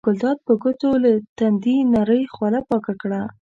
ګلداد په ګوتو له تندي نرۍ خوله پاکه کړه.